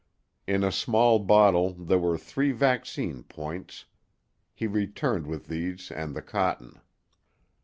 In a small bottle there were three vaccine points. He returned with these and the cotton.